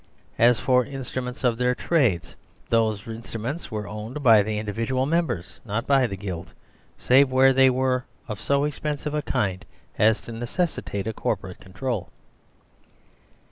As for the instruments of their trades, those instruments were owned by the individual members, not by the guild, save where they were of so expensive a kind as to necessitate a corporate control.